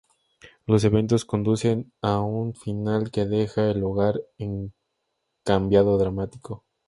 Los eventos conducen a un final que deja el hogar en un cambiado dramático.